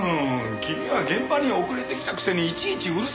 君は現場に遅れて来たくせにいちいちうるさいんだよ！